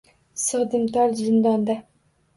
Sig’dimtor zindonga.